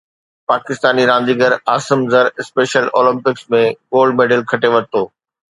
پاڪستاني رانديگر Asim Zar special Olympics ۾ gold medal کٽي ورتو